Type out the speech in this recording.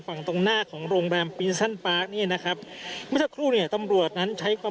ฝั่งตรงหน้าของโรงแรมปีซันปาร์คเนี่ยนะครับเมื่อสักครู่เนี่ยตำรวจนั้นใช้ความ